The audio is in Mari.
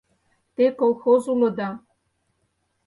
Те колхоз улыда.